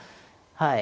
はい。